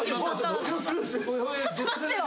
ちょっと待ってよ！